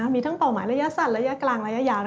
มีทั้งเป้าหมายระยะสั้นระยะกลางระยะยาว